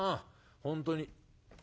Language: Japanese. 本当に。